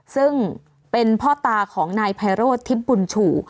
ซึ่งเป็นพ่อตาของนายไพโรธทิพย์บุญชู